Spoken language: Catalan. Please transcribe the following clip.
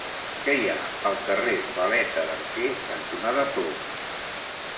Què hi ha al carrer Valeta d'Arquer cantonada Plom?